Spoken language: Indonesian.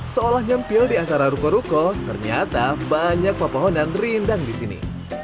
seolah nyempil di antara ruko ruko ternyata banyak pepohonan rindang di sini